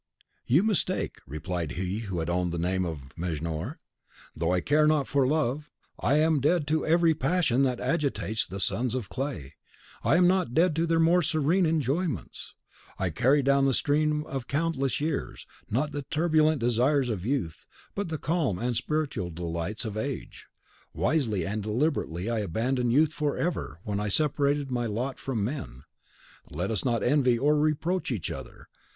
"You mistake," replied he who had owned the name of Mejnour, "though I care not for love, and am dead to every PASSION that agitates the sons of clay, I am not dead to their more serene enjoyments. I carry down the stream of the countless years, not the turbulent desires of youth, but the calm and spiritual delights of age. Wisely and deliberately I abandoned youth forever when I separated my lot from men. Let us not envy or reproach each other.